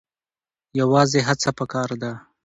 یوازې هڅه پکار ده.